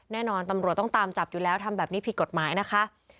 แน่นอนตำรวจต้องตามจับอยู่แล้วทำแบบนี้ผิดกฎหมายนะคะ